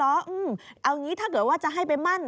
เอาอย่างนี้ถ้าเกิดว่าจะให้ไปมั่น